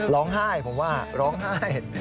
ร้องไห้ผมว่าร้องไห้